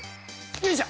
よいしょ！